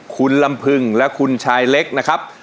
คุณลำพึงและคุณชายเล็กนะครับ